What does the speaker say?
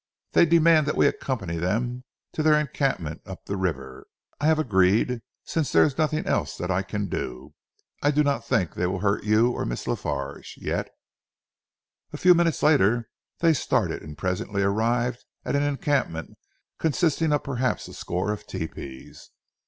They demand that we accompany them to their encampment up the river. I have agreed, since there is nothing else that I can do. I do not think they will hurt you or Miss La Farge yet." A few minutes later they started and presently arrived at an encampment consisting of perhaps a score of tepees.